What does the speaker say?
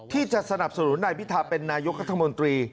ที่จะสนับสู่นายพิธาเป็นนายกธมนตรี